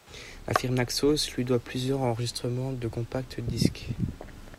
La firme Naxos lui doit plusieurs enregistrements de compacts disques.